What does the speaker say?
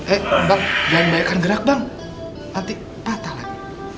eh eh jangan gerak bang nanti patah lagi